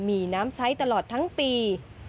มีน้ำใช้ตลอดทั้งปี